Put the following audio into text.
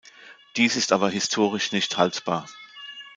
Dies ist aber historisch nicht haltbar.